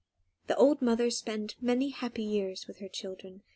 The old mother spent many happy years with her children.